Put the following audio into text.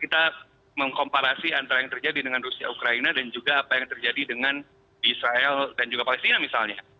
kita mengkomparasi antara yang terjadi dengan rusia ukraina dan juga apa yang terjadi dengan israel dan juga palestina misalnya